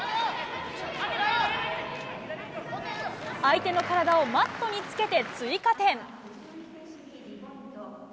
相手の体をマットにつけて追加点。